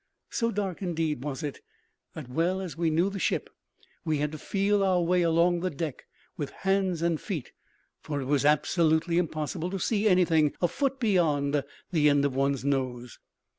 So dark, indeed, was it, that, well as we knew the ship, we had to feel our way along the deck with hands and feet, for it was absolutely impossible to see anything a foot beyond the end of one's nose.